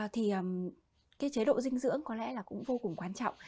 thì chế độ dinh dưỡng có lẽ cũng vô cùng quan trọng